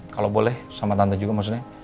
kalau boleh sama tante juga maksudnya